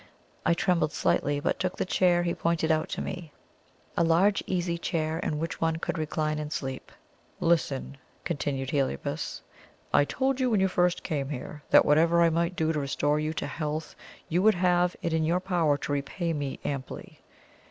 I trembled slightly, but took the chair he pointed out to me a large easy chair in which one could recline and sleep. "Listen," continued Heliobas; "I told you, when you first came here, that whatever I might do to restore you to health, you would have it in your power to repay me amply.